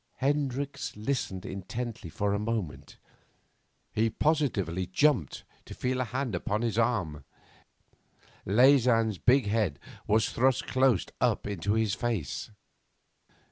Hendricks listened intently a moment. He positively jumped to feel a hand upon his arm. Leysin's big head was thrust close up into his face.